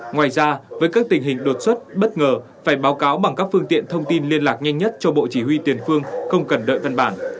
ngoài ra với các tình hình đột xuất bất ngờ phải báo cáo bằng các phương tiện thông tin liên lạc nhanh nhất cho bộ chỉ huy tiền phương không cần đợi văn bản